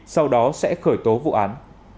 sau đó sẽ khởi tố vụ án